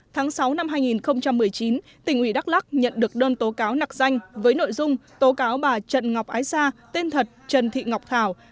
tháng sáu năm hai nghìn một mươi chín tỉnh ủy đắk lắc nhận được đơn tố cáo nạc danh với nội dung tố cáo bà trần ngọc ái sa tên thật trần thị ngọc thảo